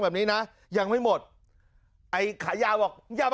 นักเรียงมัธยมจะกลับบ้าน